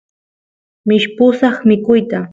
mishpusaq mikuyta